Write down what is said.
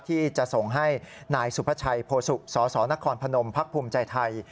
ที่จะส่งให้นายสุภาชัยโพสุสสนครพนมพักภูมิใจไทย